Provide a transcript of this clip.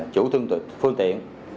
chủ phương tiện